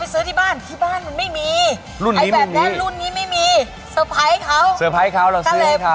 ซื้อเลยป๊าซื้อเลย